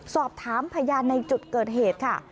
สอบถามพยานในจุดเกิดเหตุค่ะ